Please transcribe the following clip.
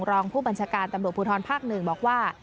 รองผู้บัญชาการตำรวจภูทรภาค๑บอกว่า